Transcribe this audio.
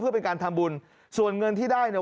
เพื่อเป็นการทำบุญส่วนเงินที่ได้เนี่ย